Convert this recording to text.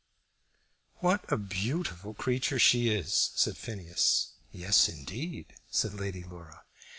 "What a beautiful creature she is!" said Phineas. "Yes, indeed," said Lady Laura.